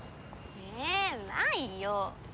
えないよ。